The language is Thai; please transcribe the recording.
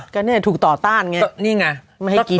ไม่ให้กิน